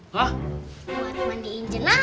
buat mandiin jenazah